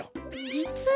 じつは。